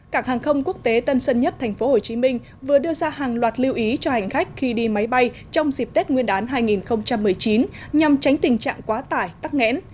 cảng hàng không quốc tế tân sân nhất tp hcm vừa đưa ra hàng loạt lưu ý cho hành khách khi đi máy bay trong dịp tết nguyên đán hai nghìn một mươi chín nhằm tránh tình trạng quá tải tắc nghẽn